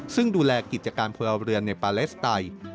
ซึ่งดูแลกิจการพลเรือนในปาเลสไต